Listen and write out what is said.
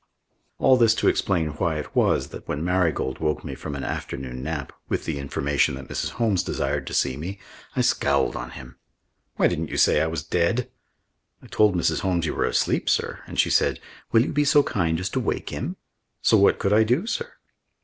All this to explain why it was that when Marigold woke me from an afternoon nap with the information that Mrs. Holmes desired to see me, I scowled on him. "Why didn't you say I was dead?" "I told Mrs. Holmes you were asleep, sir, and she said: 'Will you be so kind as to wake him?' So what could I do, sir?"